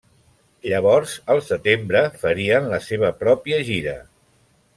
Llavors al setembre farien la seva pròpia gira.